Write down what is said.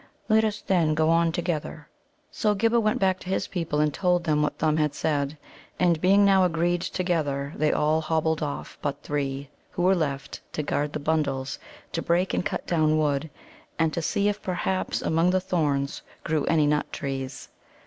Let us, then, go on together." So Ghibba went back to his people, and told them what Thumb had said. And being now agreed together, they all hobbled off but three, who were left to guard the bundles, to break and cut down wood, and to see if perhaps among the thorns grew any nut trees.